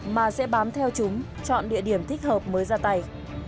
mà sẽ bám theo chúng chọn địa điểm thích hợp mới ra tay